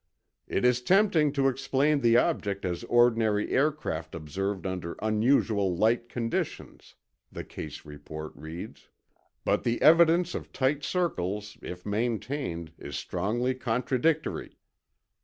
"It is tempting to explain the object as ordinary aircraft observed under unusual light conditions," the case report reads. "But the evidence of tight circles, if maintained, is strongly contradictory."